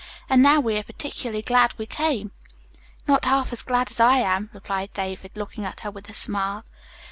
"And now we are particularly glad we came." "Not half as glad as I am," replied David, looking at her with a smile.